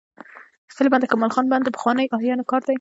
د هلمند د کمال خان بند د پخوانیو آرینو کار دی